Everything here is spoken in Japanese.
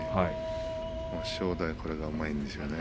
正代はうまいんですよね。